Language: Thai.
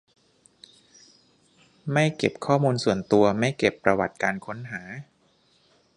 ไม่เก็บข้อมูลส่วนตัว ไม่เก็บประวัติการค้นหา